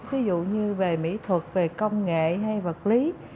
ví dụ như về mỹ thuật về công nghệ hay vật lý